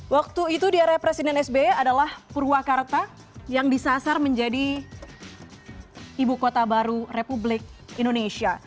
waktu itu di area presiden sby adalah purwakarta yang disasar menjadi ibu kota baru republik indonesia